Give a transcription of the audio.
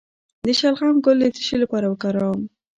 د شلغم ګل د څه لپاره وکاروم؟